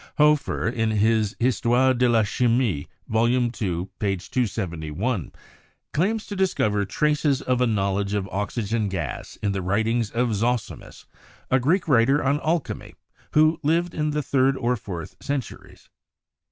Hoefer, in his 'Histoire de la Chimie' (Vol. II, p. 271), claims to discover traces of a knowledge of oxygen gas in the writings of Zosimus, a Greek writer on alchemy, who lived in the third or fourth centuries.